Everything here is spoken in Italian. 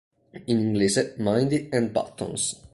In inglese "Mindy and Buttons".